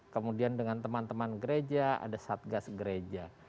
kemudian dengan teman teman gereja ada satgas gereja